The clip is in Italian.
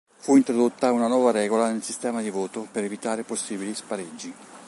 Fu introdotta una nuova regola nel sistema di voto per evitare possibili spareggi.